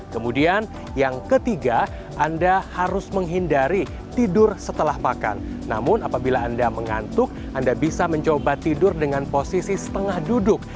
kemudian yang ketiga anda harus menghindari tidur setelah makan namun apabila anda mengantuk anda bisa mencoba tidur dengan posisi setengah duduk